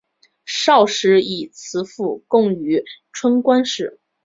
少时以辞赋贡于春官氏。